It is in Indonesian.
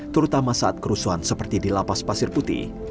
terutama saat kerusuhan seperti di lapas pasir putih